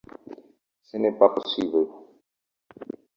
Ce n'est pas possible.